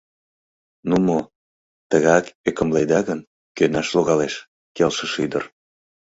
— Ну мо, тыгак ӧкымледа гын, кӧнаш логалеш, — келшыш ӱдыр.